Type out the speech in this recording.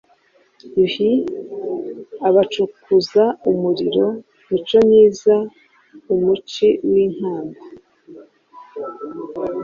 Yuhi abacukuza umuriro.micomyiza umuci w’inkamba,